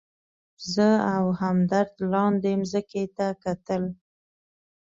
زه او همدرد لاندې مځکې ته کتل.